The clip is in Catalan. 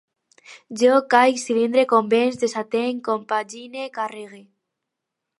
Jo caic, cilindre, convenç, desatenc, compagine, carrege